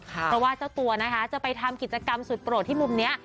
เพราะว่าเจ้าตัวนะคะจะไปทำกิจกรรมสุดโปรดที่มุมนี้